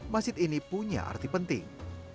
masjid ini punya arti penting